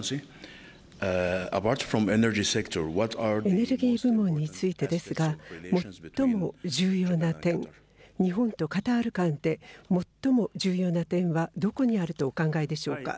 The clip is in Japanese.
エネルギー部門についてですが、最も重要な点、日本とカタール間で、最も重要な点はどこにあるとお考えでしょうか。